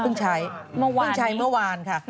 พึ่งใช้เมื่อวานค่ะ